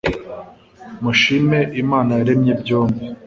mushime imana yaremye byombi